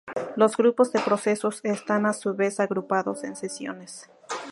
Los grupos de procesos están a su vez agrupados en sesiones.